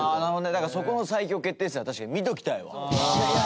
だからそこの最強決定戦は確かに見ておきたいわ。